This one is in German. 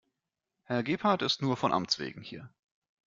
Herr Gebhardt ist nur von Amtswegen hier.